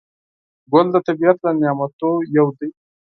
ګل د طبیعت له نعمتونو یو دی.